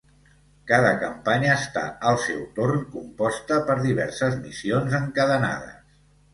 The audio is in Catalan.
Cada campanya està al seu torn composta per diverses missions encadenades.